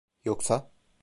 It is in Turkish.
Yoksa...